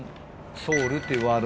ソウルっていうワードが。